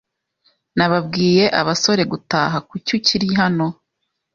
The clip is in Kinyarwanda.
Nababwiye abasore gutaha . Kuki ukiri hano?